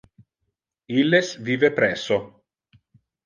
Illes vive presso.